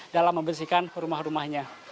dalam membersihkan rumah rumahnya